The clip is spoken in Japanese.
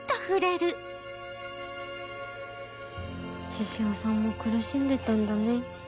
獅子王さんも苦しんでたんだね。